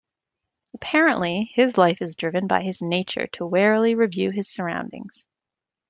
Apparently, his life is driven by his nature to warily review his surroundings.